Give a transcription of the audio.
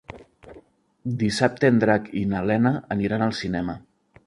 Dissabte en Drac i na Lena aniran al cinema.